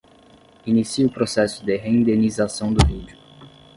Inicie o processo de rendenização do vídeo.